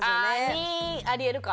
２あり得るか。